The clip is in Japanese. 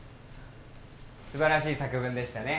素晴らしい作文でしたね。